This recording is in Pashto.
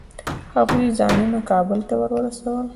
هغوی ځانونه کابل ته ورسول.